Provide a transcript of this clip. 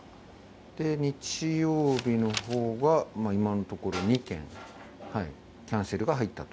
で、日曜日のほうが、今のところ２件、キャンセルが入ったと。